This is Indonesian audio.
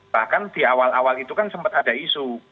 bahkan di awal awal itu kan sempat ada isu